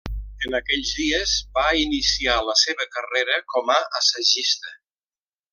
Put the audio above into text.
En aquells dies va iniciar la seva carrera com a assagista.